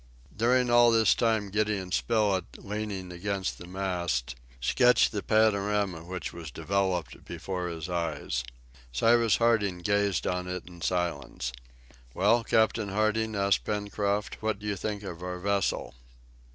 During all this time Gideon Spilett, leaning against the mast, sketched the panorama which was developed before his eyes. Cyrus Harding gazed on it in silence. "Well, Captain Harding," asked Pencroft, "what do you think of our vessel?"